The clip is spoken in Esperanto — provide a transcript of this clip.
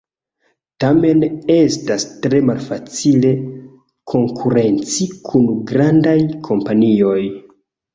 Tamen estas tre malfacile konkurenci kun grandaj kompanioj.